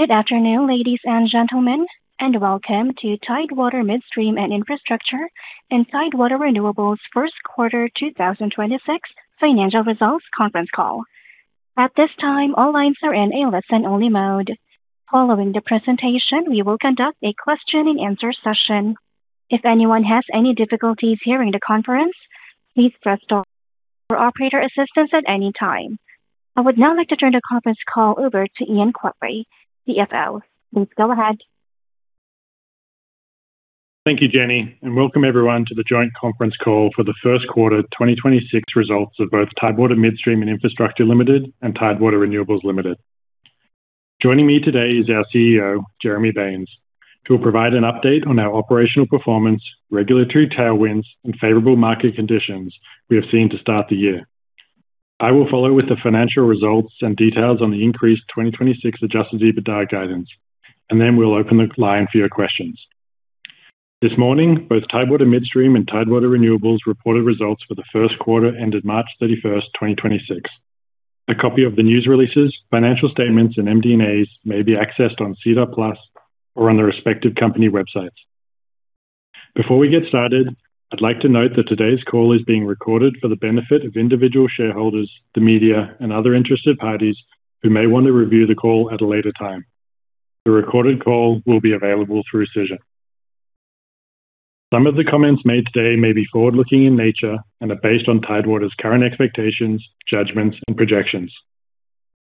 Good afternoon, ladies and gentlemen, and welcome to Tidewater Midstream and Infrastructure and Tidewater Renewables first quarter 2026 financial results conference call. At this time, all lines are in a listen-only mode. Following the presentation, we will conduct a question and answer session. If anyone has any difficulties hearing the conference, please press star for operator assistance at any time. I would now like to turn the conference call over to Ian Quartly, CFO. Please go ahead. Thank you, Jenny, and welcome everyone to the joint conference call for the first quarter 2026 results of both Tidewater Midstream and Infrastructure Ltd. and Tidewater Renewables Ltd. Joining me today is our CEO, Jeremy Baines, who will provide an update on our operational performance, regulatory tailwinds and favorable market conditions we have seen to start the year. I will follow with the financial results and details on the increased 2026 adjusted EBITDA guidance, and then we'll open the line for your questions. This morning, both Tidewater Midstream and Tidewater Renewables reported results for the first quarter ended March 31st, 2026. A copy of the news releases, financial statements, and MD&A may be accessed on SEDAR+ or on the respective company websites. Before we get started, I'd like to note that today's call is being recorded for the benefit of individual shareholders, the media, and other interested parties who may want to review the call at a later time. The recorded call will be available through Cision. Some of the comments made today may be forward-looking in nature and are based on Tidewater's current expectations, judgments, and projections.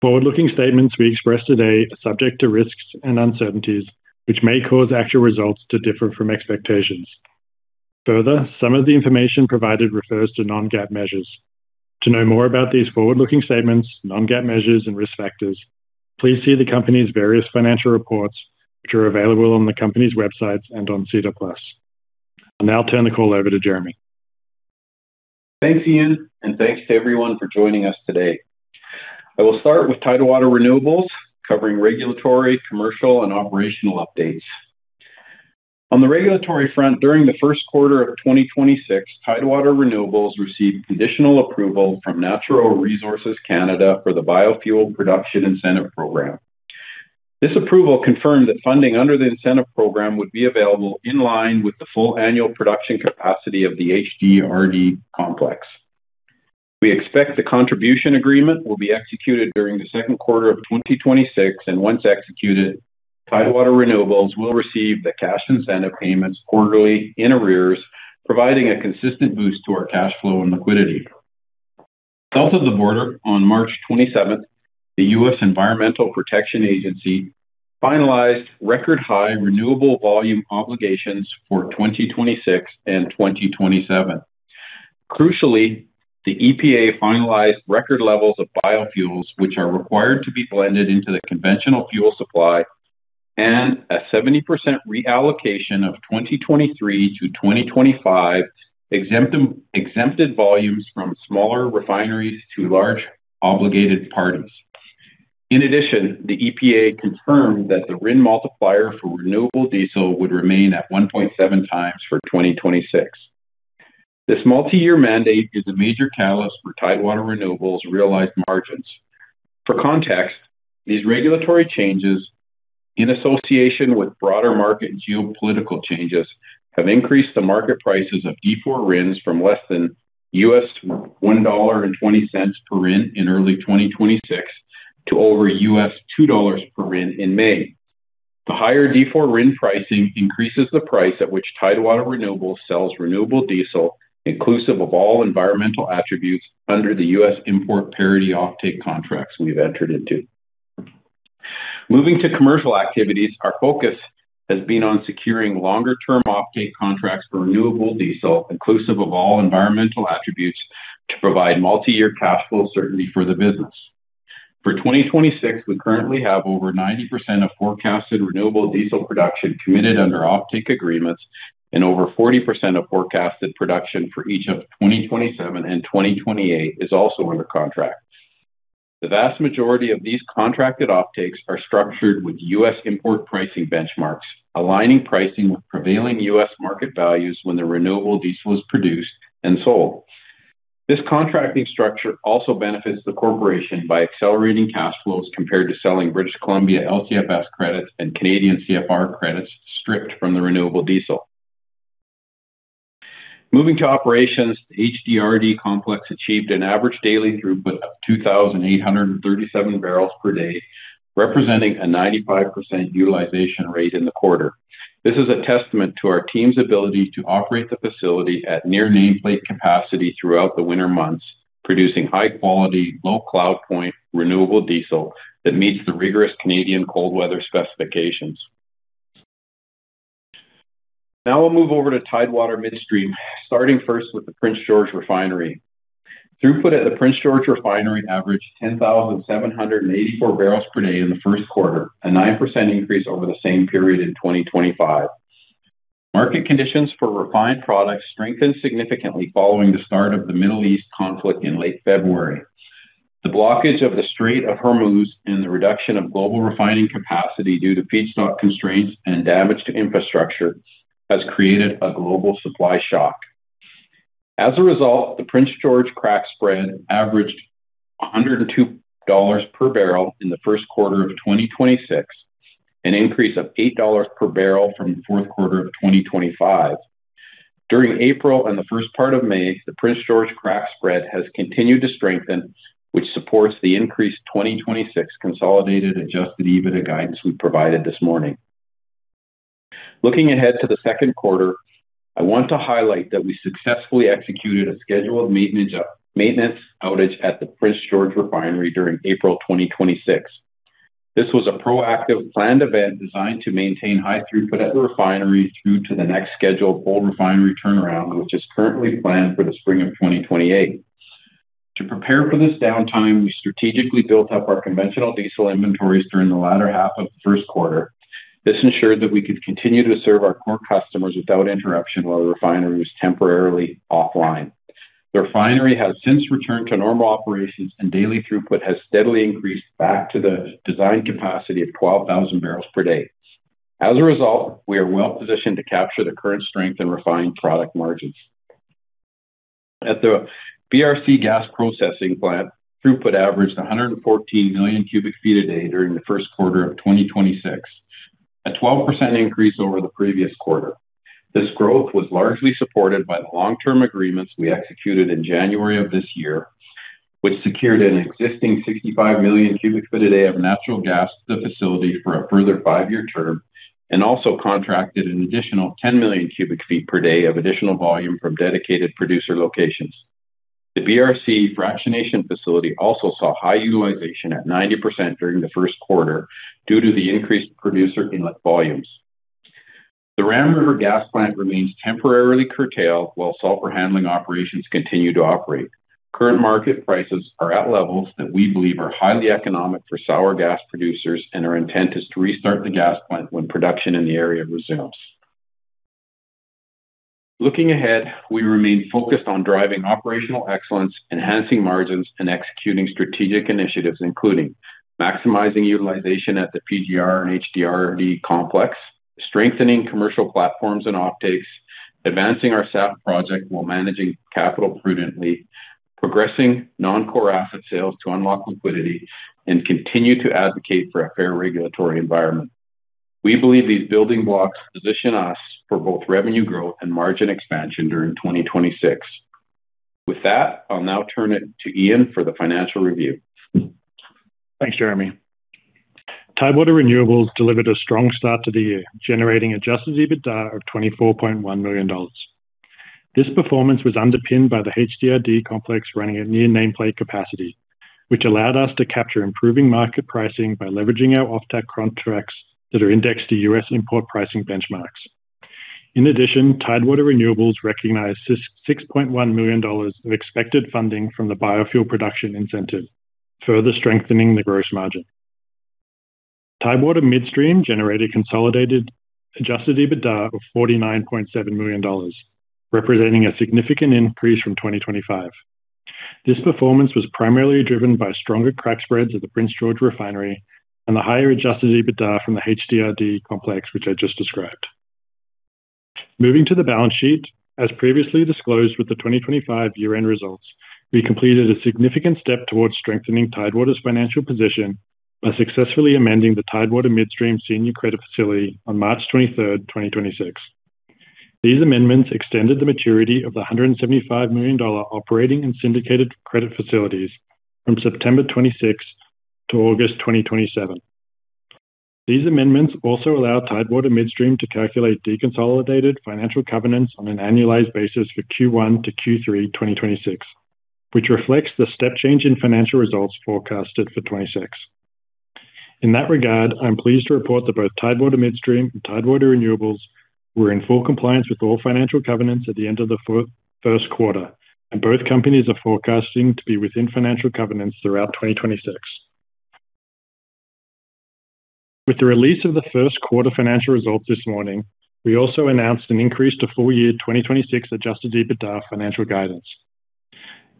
Forward-looking statements we express today are subject to risks and uncertainties, which may cause actual results to differ from expectations. Further, some of the information provided refers to non-GAAP measures. To know more about these forward-looking statements, non-GAAP measures, and risk factors, please see the company's various financial reports, which are available on the company's websites and on SEDAR+. I'll now turn the call over to Jeremy. Thanks, Ian. Thanks to everyone for joining us today. I will start with Tidewater Renewables, covering regulatory, commercial, and operational updates. On the regulatory front, during the first quarter of 2026, Tidewater Renewables received conditional approval from Natural Resources Canada for the Biofuel Production Incentive program. This approval confirmed that funding under the incentive program would be available in line with the full annual production capacity of the HDRD Complex. We expect the contribution agreement will be executed during the second quarter of 2026. Once executed, Tidewater Renewables will receive the cash incentive payments quarterly in arrears, providing a consistent boost to our cash flow and liquidity. South of the border, on March 27th, the U.S. Environmental Protection Agency finalized record high renewable volume obligations for 2026 and 2027. Crucially, the EPA finalized record levels of biofuels, which are required to be blended into the conventional fuel supply and a 70% reallocation of 2023 to 2025 exempted volumes from smaller refineries to large obligated parties. The EPA confirmed that the RIN multiplier for renewable diesel would remain at 1.7x for 2026. This multi-year mandate is a major catalyst for Tidewater Renewables' realized margins. For context, these regulatory changes, in association with broader market geopolitical changes, have increased the market prices of D4 RINs from less than $1.20 per RIN in early 2026 to over $2 per RIN in May. The higher D4 RIN pricing increases the price at which Tidewater Renewables sells renewable diesel, inclusive of all environmental attributes under the U.S. import parity offtake contracts we've entered into. Moving to commercial activities, our focus has been on securing longer-term offtake contracts for renewable diesel, inclusive of all environmental attributes to provide multi-year cash flow certainty for the business. For 2026, we currently have over 90% of forecasted renewable diesel production committed under offtake agreements and over 40% of forecasted production for each of 2027 and 2028 is also under contract. The vast majority of these contracted offtakes are structured with U.S. import pricing benchmarks, aligning pricing with prevailing U.S. market values when the renewable diesel is produced and sold. This contracting structure also benefits the corporation by accelerating cash flows compared to selling British Columbia LCFS credits and Canadian CFR credits stripped from the renewable diesel. Moving to operations, the HDRD Complex achieved an average daily throughput of 2,837 barrels per day, representing a 95% utilization rate in the quarter. This is a testament to our team's ability to operate the facility at near nameplate capacity throughout the winter months, producing high quality, low cloud point renewable diesel that meets the rigorous Canadian cold weather specifications. Now we'll move over to Tidewater Midstream, starting first with the Prince George Refinery. Throughput at the Prince George Refinery averaged 10,784 barrels per day in the first quarter, a 9% increase over the same period in 2025. Market conditions for refined products strengthened significantly following the start of the Middle East conflict in late February. The blockage of the Strait of Hormuz and the reduction of global refining capacity due to feedstock constraints and damage to infrastructure has created a global supply shock. The Prince George crack spread averaged 102 dollars per barrel in the first quarter of 2026, an increase of 8 dollars per barrel from the fourth quarter of 2025. During April and the first part of May, the Prince George crack spread has continued to strengthen, which supports the increased 2026 consolidated adjusted EBITDA guidance we provided this morning. Looking ahead to the second quarter, I want to highlight that we successfully executed a scheduled maintenance outage at the Prince George Refinery during April 2026. This was a proactive planned event designed to maintain high throughput at the refinery through to the next scheduled full refinery turnaround, which is currently planned for the spring of 2028. To prepare for this downtime, we strategically built up our conventional diesel inventories during the latter half of the first quarter. This ensured that we could continue to serve our core customers without interruption while the refinery was temporarily offline. The refinery has since returned to normal operations and daily throughput has steadily increased back to the design capacity of 12,000 barrels per day. As a result, we are well-positioned to capture the current strength in refined product margins. At the BRC gas processing plant, throughput averaged 114 million cubic feet a day during the first quarter of 2026, a 12% increase over the previous quarter. This growth was largely supported by the long-term agreements we executed in January of this year, which secured an existing 65 million cubic feet a day of natural gas to the facility for a further five-year term, and also contracted an additional 10 million cubic feet per day of additional volume from dedicated producer locations. The BRC fractionation facility also saw high utilization at 90% during the first quarter due to the increased producer inlet volumes. The Ram River gas plant remains temporarily curtailed while sulfur handling operations continue to operate. Current market prices are at levels that we believe are highly economic for sour gas producers. Our intent is to restart the gas plant when production in the area resumes. Looking ahead, we remain focused on driving operational excellence, enhancing margins, and executing strategic initiatives, including maximizing utilization at the PGR and HDRD Complex, strengthening commercial platforms and offtakes, advancing our SAF project while managing capital prudently, progressing non-core asset sales to unlock liquidity, and continue to advocate for a fair regulatory environment. We believe these building blocks position us for both revenue growth and margin expansion during 2026. With that, I'll now turn it to Ian for the financial review. Thanks, Jeremy. Tidewater Renewables delivered a strong start to the year, generating adjusted EBITDA of 24.1 million dollars. This performance was underpinned by the HDRD Complex running at near nameplate capacity, which allowed us to capture improving market pricing by leveraging our offtake contracts that are indexed to U.S. import pricing benchmarks. In addition, Tidewater Renewables recognized 6.1 million dollars of expected funding from the Biofuel Production Incentive, further strengthening the gross margin. Tidewater Midstream generated consolidated adjusted EBITDA of 49.7 million dollars, representing a significant increase from 2025. This performance was primarily driven by stronger crack spreads at the Prince George Refinery and the higher adjusted EBITDA from the HDRD Complex, which I just described. Moving to the balance sheet, as previously disclosed with the 2025 year-end results, we completed a significant step towards strengthening Tidewater's financial position by successfully amending the Tidewater Midstream senior credit facility on March 23rd, 2026. These amendments extended the maturity of the 175 million operating and syndicated credit facilities from September 2026 to August 2027. These amendments also allow Tidewater Midstream to calculate deconsolidated financial covenants on an annualized basis for Q1 to Q3 2026, which reflects the step change in financial results forecasted for 2026. In that regard, I'm pleased to report that both Tidewater Midstream and Tidewater Renewables were in full compliance with all financial covenants at the end of the first quarter, and both companies are forecasting to be within financial covenants throughout 2026. With the release of the first quarter financial results this morning, we also announced an increase to full-year 2026 adjusted EBITDA financial guidance.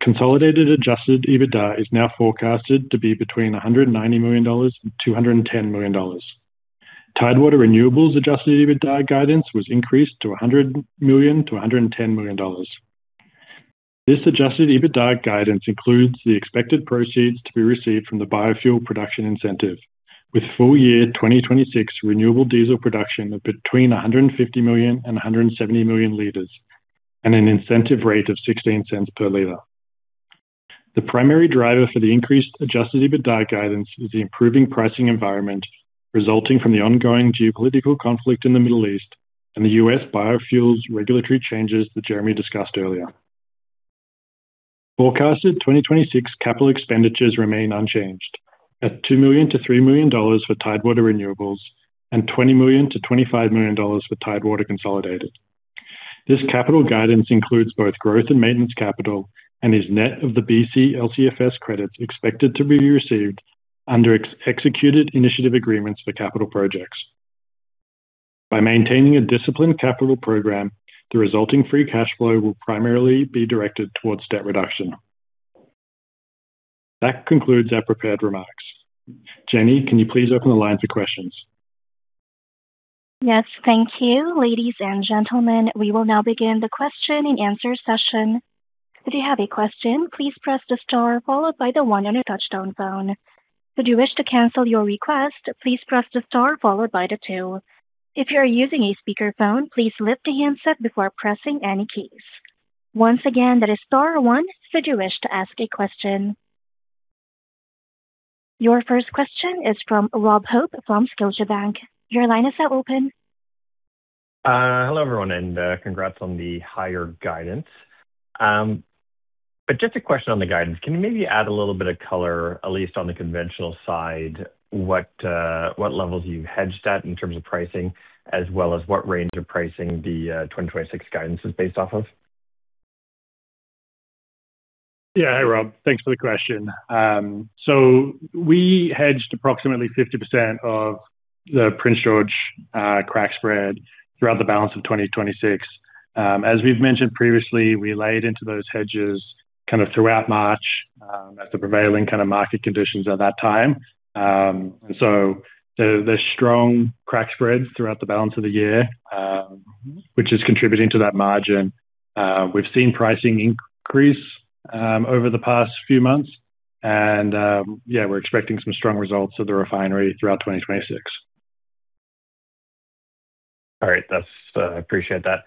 Consolidated adjusted EBITDA is now forecasted to be between 190 million dollars and 210 million dollars. Tidewater Renewables adjusted EBITDA guidance was increased to 100 million to 110 million dollars. This adjusted EBITDA guidance includes the expected proceeds to be received from the Biofuel Production Incentive, with full-year 2026 renewable diesel production of between 150 million and 170 million liters, and an incentive rate of 0.16 per liter. The primary driver for the increased adjusted EBITDA guidance is the improving pricing environment resulting from the ongoing geopolitical conflict in the Middle East and the U.S. biofuels regulatory changes that Jeremy discussed earlier. Forecasted 2026 capital expenditures remain unchanged at 2 million-3 million dollars for Tidewater Renewables and 20 million-25 million dollars for Tidewater consolidated. This capital guidance includes both growth and maintenance capital and is net of the BC LCFS credits expected to be received under executed initiative agreements for capital projects. By maintaining a disciplined capital program, the resulting free cash flow will primarily be directed towards debt reduction. That concludes our prepared remarks. Jenny, can you please open the line for questions? Yes, thank you. Ladies and gentlemen, we will now begin the question and answer session. If you have a question, please press the star followed by the one on your touch-tone phone. If you wish to cancel your request, please press the star followed by the two. If you are using a speaker phone, please lift the handset before pressing any keys. Once again, that is star one if you wish to ask a question. Your first question is from Rob Hope from Scotiabank. Your line is now open. Hello, everyone, congrats on the higher guidance. Just a question on the guidance. Can you maybe add a little bit of color, at least on the conventional side, what levels you've hedged at in terms of pricing, as well as what range of pricing the 2026 guidance is based off of? Hey, Rob. Thanks for the question. We hedged approximately 50% of the Prince George crack spread throughout the balance of 2026. As we've mentioned previously, we laid into those hedges kind of throughout March at the prevailing kind of market conditions at that time. There's strong crack spreads throughout the balance of the year, which is contributing to that margin. We've seen pricing increase over the past few months and we're expecting some strong results of the refinery throughout 2026. All right. That's, appreciate that.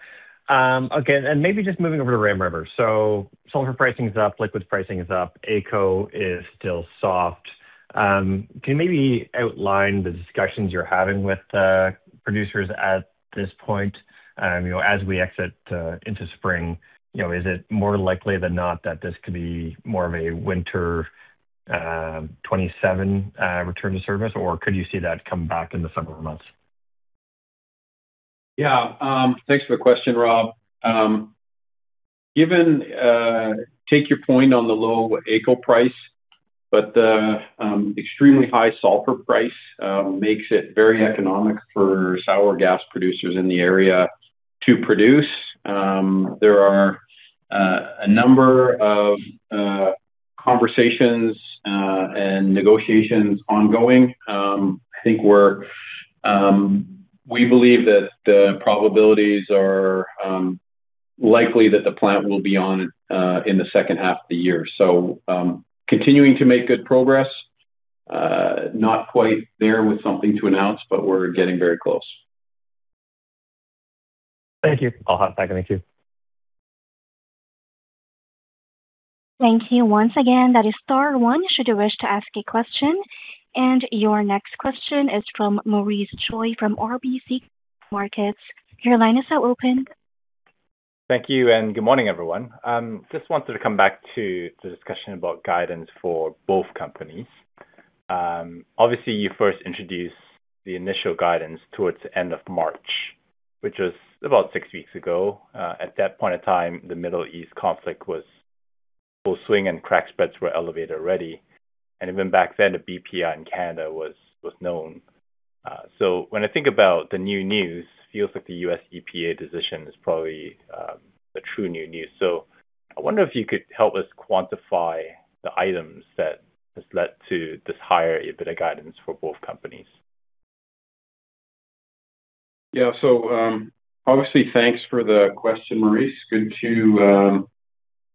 Okay, just moving over to Ram River. Sulfur pricing is up, liquids pricing is up, AECO is still soft. Can you maybe outline the discussions you're having with producers at this point? You know, as we exit into spring, you know, is it more likely than not that this could be more of a winter 2027 return to service, or could you see that come back in the summer months? Yeah. Thanks for the question, Rob. Given, take your point on the low AECO price, the extremely high sulfur price makes it very economic for sour gas producers in the area to produce. There are a number of conversations and negotiations ongoing. I think we believe that the probabilities are likely that the plant will be on in the second half of the year. Continuing to make good progress. Not quite there with something to announce, we're getting very close. Thank you. I'll hop back in the queue. Thank you. Thank you. Once again, that is star one should you wish to ask a question. Your next question is from Maurice Choy from RBC Capital Markets. Your line is now open. Thank you, and good morning, everyone. Just wanted to come back to the discussion about guidance for both companies. Obviously, you first introduced the initial guidance towards the end of March, which was about six weeks ago. At that point in time, the Middle East conflict was full swing and crack spreads were elevated already. Even back then, the BPI in Canada was known. When I think about the new news, it feels like the U.S. EPA decision is probably a true new news. I wonder if you could help us quantify the items that has led to this higher EBITDA guidance for both companies. Yeah. Obviously, thanks for the question, Maurice. Good to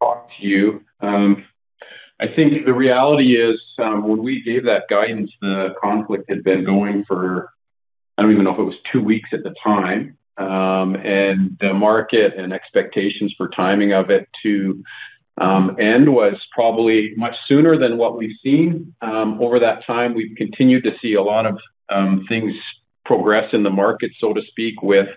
talk to you. I think the reality is, when we gave that guidance, the conflict had been going for, I don't even know if it was two weeks at the time. The market and expectations for timing of it to end was probably much sooner than what we've seen. Over that time, we've continued to see a lot of things progress in the market, so to speak, with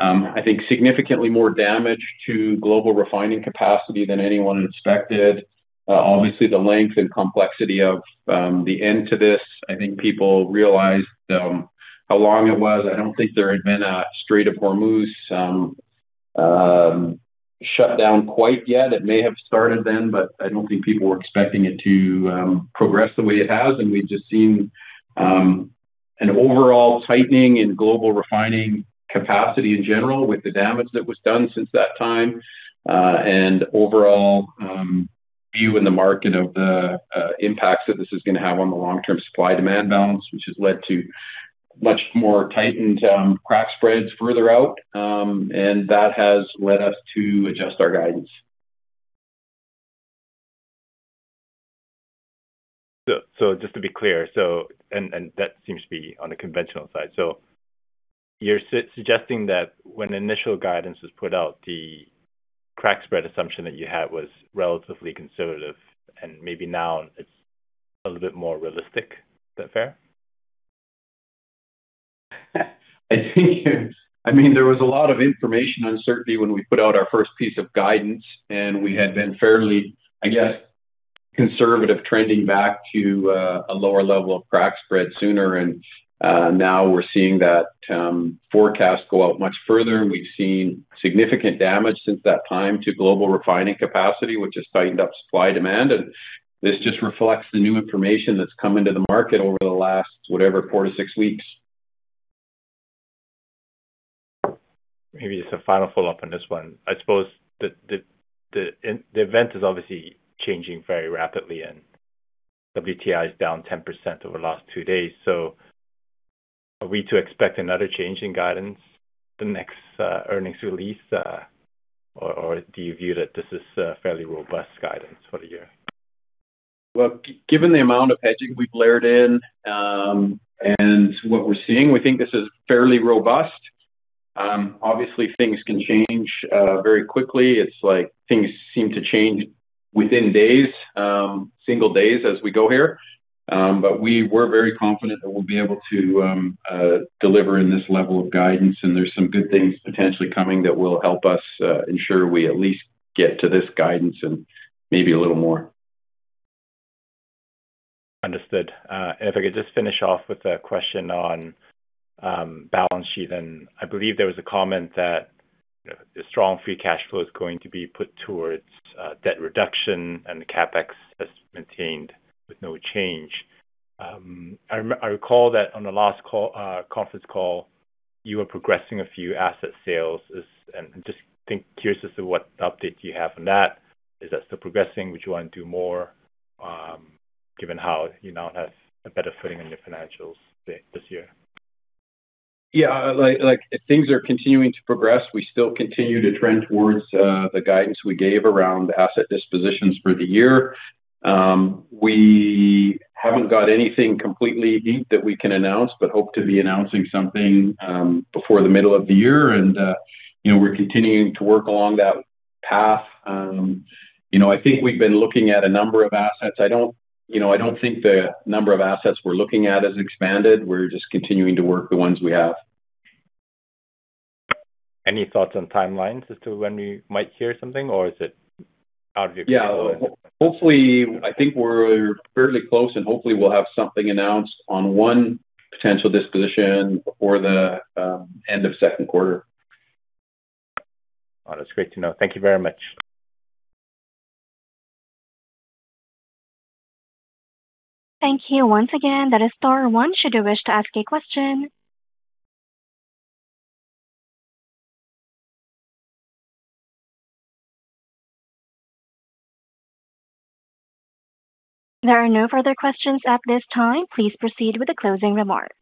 I think significantly more damage to global refining capacity than anyone expected. Obviously, the length and complexity of the end to this, I think people realized how long it was. I don't think there had been a Strait of Hormuz shut down quite yet. It may have started then, but I don't think people were expecting it to progress the way it has. We've just seen an overall tightening in global refining capacity in general with the damage that was done since that time. Overall view in the market of the impacts that this is going to have on the long-term supply-demand balance, which has led to much more tightened crack spreads further out. That has led us to adjust our guidance. Just to be clear, that seems to be on the conventional side. You're suggesting that when initial guidance was put out, the crack spread assumption that you had was relatively conservative, and maybe now it's a little bit more realistic. Is that fair? I mean, there was a lot of information uncertainty when we put out our first piece of guidance, and we had been fairly, I guess, conservative trending back to a lower level of crack spread sooner. Now we're seeing that forecast go out much further, and we've seen significant damage since that time to global refining capacity, which has tightened up supply demand. This just reflects the new information that's come into the market over the last, whatever, four to six weeks. Maybe just a final follow-up on this one. I suppose the event is obviously changing very rapidly. WTI is down 10% over the last two days. Are we to expect another change in guidance the next earnings release? Or do you view that this is fairly robust guidance for the year? Given the amount of hedging we've layered in, and what we're seeing, we think this is fairly robust. Obviously things can change very quickly. It's like things seem to change within days, single days as we go here. We're very confident that we'll be able to deliver in this level of guidance, and there's some good things potentially coming that will help us ensure we at least get to this guidance and maybe a little more. Understood. If I could just finish off with a question on balance sheet. I believe there was a comment that, you know, the strong free cash flow is going to be put towards debt reduction and the CapEx is maintained with no change. I recall that on the last call, conference call, you were progressing a few asset sales. Curious as to what update you have on that. Is that still progressing? Would you want to do more, given how it now has a better footing in your financials this year? Yeah. Like things are continuing to progress. We still continue to trend towards the guidance we gave around asset dispositions for the year. We haven't got anything completely deep that we can announce, but hope to be announcing something before the middle of the year. You know, we're continuing to work along that path. You know, I think we've been looking at a number of assets. I don't, you know, I don't think the number of assets we're looking at has expanded. We're just continuing to work the ones we have. Any thoughts on timelines as to when we might hear something, or is it out of your control? Yeah. Hopefully, I think we're fairly close, and hopefully we'll have something announced on one potential disposition before the end of second quarter. Oh, that's great to know. Thank you very much. Thank you once again. That is star one should you wish to ask a question. There are no further questions at this time. Please proceed with the closing remarks.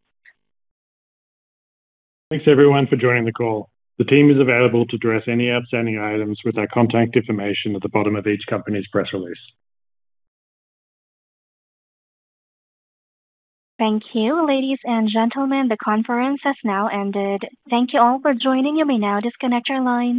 Thanks, everyone, for joining the call. The team is available to address any outstanding items with our contact information at the bottom of each company's press release. Thank you, ladies and gentlemen. The conference has now ended. Thank you all for joining. You may now disconnect your lines.